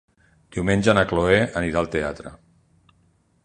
Diumenge na Cloè anirà al teatre.